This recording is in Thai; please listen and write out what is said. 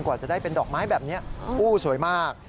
กว่าจะได้เป็นดอกไม้แบบนี้โอ้สวยมาก